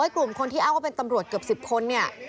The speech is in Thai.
กลุ่มคนที่เอาเป็นตำรวจเกือบ๑๐คน